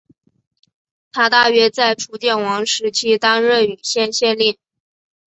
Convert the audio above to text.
他大约在楚简王时期担任圉县县令。